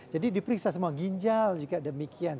jadi diperiksa semua ginjal juga demikian